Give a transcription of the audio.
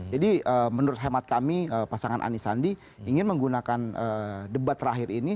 jadi menurut hemat kami pasangan anisandi ingin menggunakan debat terakhir ini